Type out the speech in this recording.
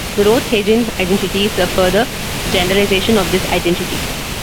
The Rothe-Hagen identity is a further generalization of this identity.